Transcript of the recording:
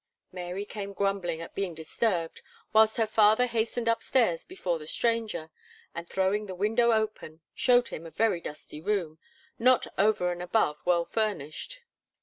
Mary came grumbling at being disturbed, whilst her father hastened upstairs before the stranger, and throwing the window open, showed him a very dusty room, not over and above well furnished.